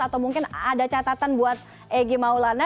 atau mungkin ada catatan buat egy maulana